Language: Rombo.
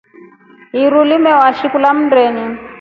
Iru limewashi kula mndeni.